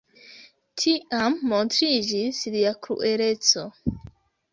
Tiam montriĝis lia krueleco.